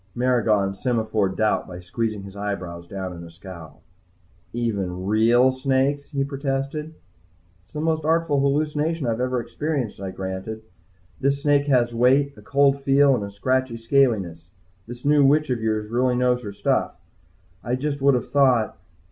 Maragon semaphored doubt by squeezing his eyebrows down in a scowl. "Even real snakes?" he protested. "It's the most artful hallucination I've ever experienced," I granted. "This snake has weight, a cold feel and a scratchy scaliness. This new witch of yours really knows her stuff. I just would have thought..."